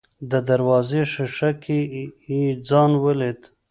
د دروازې ښيښه کې يې ځان وليد.